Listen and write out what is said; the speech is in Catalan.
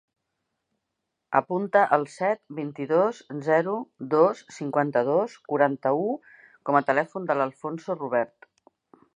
Apunta el set, vint-i-dos, zero, dos, cinquanta-dos, quaranta-u com a telèfon de l'Alfonso Rubert.